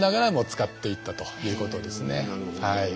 なるほど。